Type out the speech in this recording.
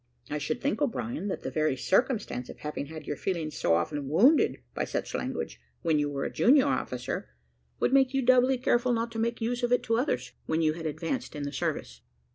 "I should think, O'Brien, that the very circumstance of having had your feelings so often wounded by such language when you were a junior officer, would make you doubly careful not to make use of it to others, when you had advanced in the service."